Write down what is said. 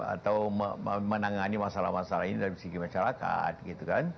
atau menangani masalah masalah ini dari segi masyarakat